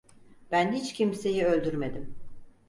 Ben hiç kimseyi öldürmedim.